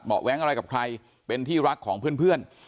แว้งอะไรกับใครเป็นที่รักของเพื่อน